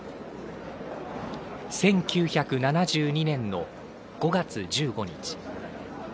１９７２年の５月１５日。